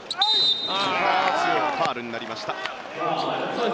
ファウルになりました。